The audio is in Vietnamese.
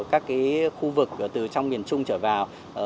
các khu vực từ trong miền trung trở vào